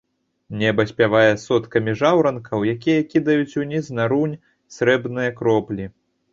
Неба спявае соткамі жаўранкаў, якія кідаюць уніз, на рунь, срэбныя кроплі.